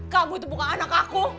kamu itu bukan anak aku